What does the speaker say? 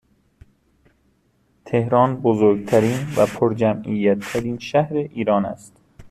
تهران بزرگترین و پرجمعیت ترین شهر ایران است